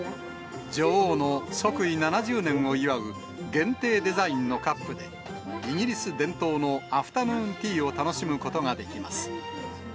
女王の即位７０年を祝う限定デザインのカップで、イギリス伝統のアフタヌーンティーを楽しむことができます。